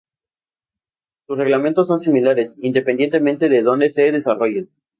Sus reglamentos son similares, independientemente de donde se desarrollen.